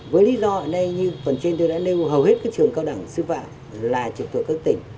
với lý do hiện nay như phần trên tôi đã nêu hầu hết các trường cao đẳng sư phạm là trực thuộc các tỉnh